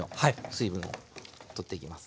水分を取っていきます。